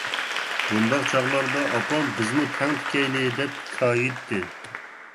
بۇنداق چاغلاردا ئاپام «بىزمۇ تەك تىكەيلى» دەپ كايىيتتى.